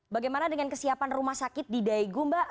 bagaimana dengan kesiapan rumah sakit di daegu mbak